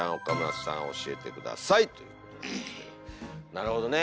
なるほどね。